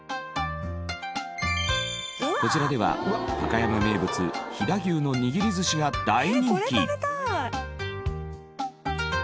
こちらでは高山名物飛騨牛の握り寿司が大人気。